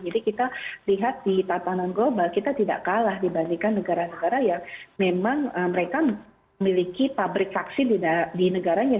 jadi kita lihat di tatanan global kita tidak kalah dibandingkan negara negara yang memang mereka memiliki pabrik vaksin di negaranya